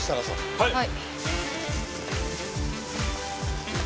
はい。